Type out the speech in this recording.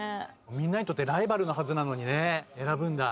みんなにとってライバルのはずなのにね選ぶんだ。